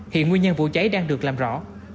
hiện nguyên nhân vụ cháy đang được làm rõ